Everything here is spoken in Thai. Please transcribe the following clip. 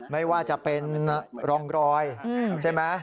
ไม่ว่าจะเป็นร่องรอยใช่ไหม